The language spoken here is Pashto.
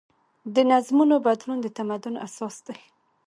د نظمونو بدلون د تمدن اساس دی.